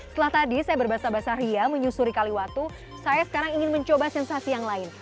setelah tadi saya berbahasa bahasa ria menyusuri kaliwatu saya sekarang ingin mencoba sensasi yang lain